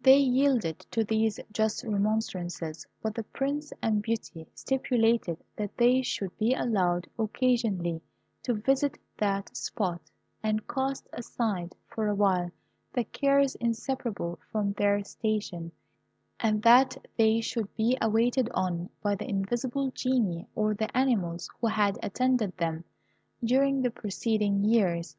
They yielded to these just remonstrances, but the Prince and Beauty stipulated that they should be allowed occasionally to visit that spot, and cast aside for a while the cares inseparable from their station, and that they should be waited on by the invisible Genii or the animals who had attended them during the preceding years.